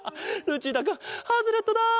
ルチータくんハズレットだ。